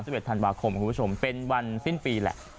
สิบเอ็ดธันวาคมคุณผู้ชมเป็นวันสิ้นปีแหละ